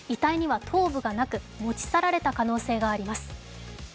遺体には頭部がなく、持ち去られた可能性があります。